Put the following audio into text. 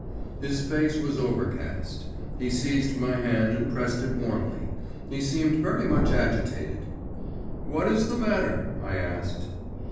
His face was overcast. He seized my hand and pressed it warmly. He seemed very much agitated. 'What is the matter?' I asked.